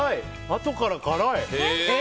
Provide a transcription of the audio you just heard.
あとから辛い。